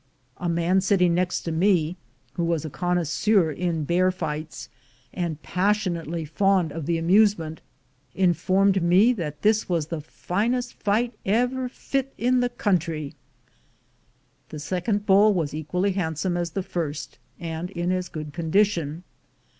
A man sitting next to me, who was a connoisseur in bear fights, and passionately fond of the amusement, in formed me that this was "the finest fight ever fit in the country." The second bull was equally handsome as the first, and in as good condition.